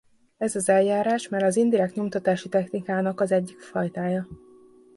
Ez az eljárás már az indirekt nyomtatási technikának az egyik fajtája.